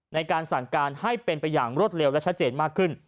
ในการสั่งการให้เป็นไปอย่างรวดเร็วและชัดเจนมากขึ้น